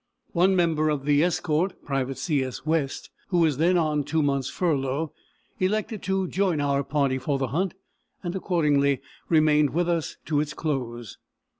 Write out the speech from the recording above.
One member of the escort, Private C. S. West, who was then on two months' furlough, elected to join our party for the hunt, and accordingly remained with us to its close.